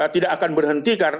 tidak akan berhenti karena